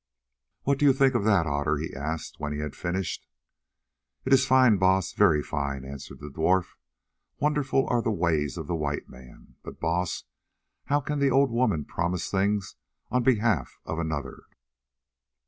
"What do you think of that, Otter?" he asked when he had finished. "It is fine, Baas, very fine," answered the dwarf. "Wonderful are the ways of the white man! But, Baas, how can the old woman promise things on behalf of another?"